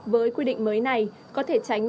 với quy định mới này có thể tránh